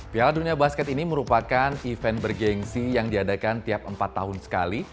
piala dunia basket ini merupakan event bergensi yang diadakan tiap empat tahun sekali